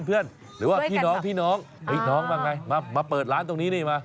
หรือว่าพี่น้องพี่น้องมาไงมาเปิดร้านตรงนี้นี่มา